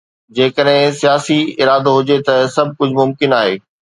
جيڪڏهن سياسي ارادو هجي ته سڀ ڪجهه ممڪن آهي.